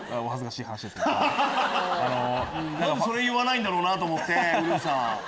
何でそれ言わないんだろうな？と思って。